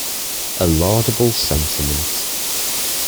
A laudable sentiment.